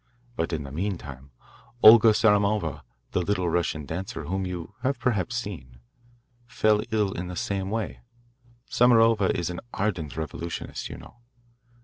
But in the meantime Olga Samarova, the little Russian dancer, whom you have perhaps seen, fell ill in the same way. Samarova is an ardent revolutionist, you know.